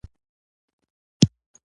نو ته پخپله ووايه كوم كار فايده مند دې؟